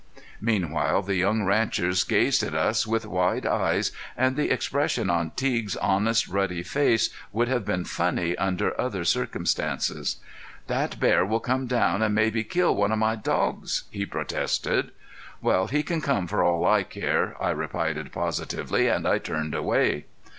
Meanwhile the young ranchers gazed at us with wide eyes and the expression on Teague's honest, ruddy face would have been funny under other circumstances. "That bear will come down an' mebbe kill one of my dogs," he protested. "Well, he can come for all I care," I replied, positively, and I turned away.